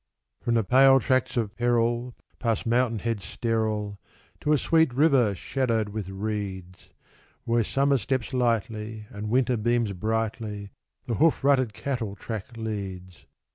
From the pale tracts of peril, past mountain heads sterile, To a sweet river shadowed with reeds, Where Summer steps lightly, and Winter beams brightly, The hoof rutted cattle track leads.